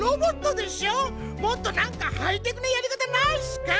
もっとなんかハイテクなやりかたないっすか？